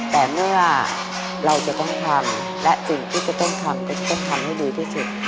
แต่เมื่อเราจะต้องทำและสิ่งที่จะต้องทำต้องทำให้ดีที่สุด